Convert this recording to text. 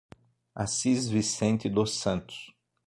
Assis Vicente dos Santos